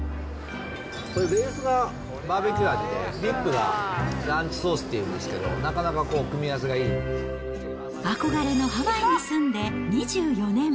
これ、ベースがバーベキュー味で、ディップがランチソースっていうんですけど、なかなか組み合わせ憧れのハワイに住んで２４年。